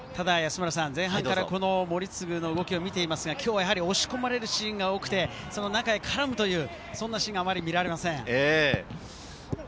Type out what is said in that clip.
前半から森次の動きを見ていますが、今日はやはり押し込まれるシーンが多くて中に絡むというシーンがあまり見られません。